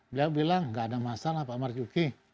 beliau bilang tidak ada masalah pak marjuki